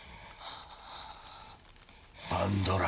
パンドラ。